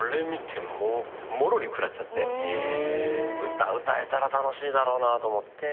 歌歌えたら楽しいだろうなと思って。